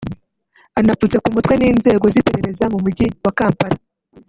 anapfutse ku mutwe n’inzego z’iperereza mu Mujyi wa Kampala